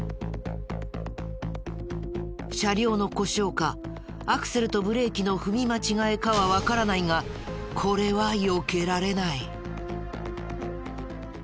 車両の故障かアクセルとブレーキの踏み間違えかはわからないがこれはよけられない。